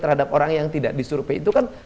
terhadap orang yang tidak disurvey itu kan